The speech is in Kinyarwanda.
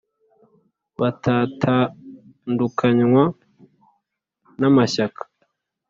batatandukanywa n amashyaka